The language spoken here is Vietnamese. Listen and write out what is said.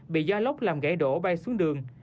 bị gió lốc làm gãy đổ bay xuống đường